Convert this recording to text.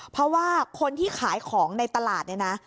เพราะว่าคนที่ขายของในตลาดเนี่ยนะ